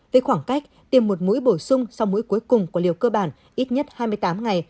với khoảng cách tiêm một mũi bổ sung sau mũi cuối cùng của liều cơ bản ít nhất hai mươi tám ngày